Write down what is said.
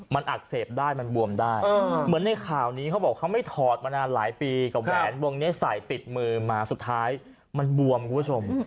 มันอักเสบได้มันบวมได้เหมือนในข่าวนี้เขาบอกเขาไม่ถอดมานานหลายปีกับแหวนวงนี้ใส่ติดมือมาสุดท้ายมันบวมคุณผู้ชม